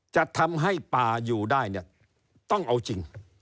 จะทำให้ป่าอยู่ได้เนี่ยต้องเอาจริง